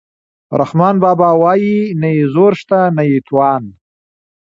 رحمان بابا وايي نه یې زور شته نه یې توان.